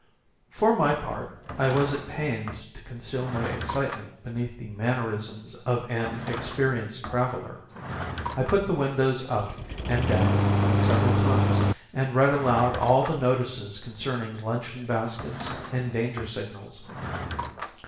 For my part, I was at pains to conceal my excitement beneath the mannerisms of an experienced traveller. I put the window up and down several times and read aloud all the notices concerning luncheon baskets and danger signals.